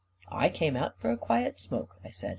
" I came out for a quiet smoke," I said.